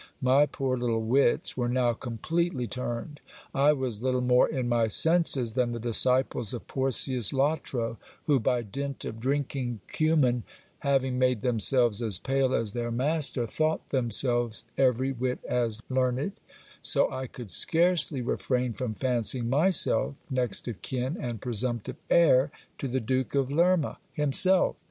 My poor little wits were now completely turned. I was little more in my senses than the disciples of Porcius Latro, who, by dint of drinking cummin, having made themselves as pale as their master, thought themselves every whit as learned; so I could scarcely refrain from fancying myself next of kin and presumptive heir to the Duke of Lerma him self.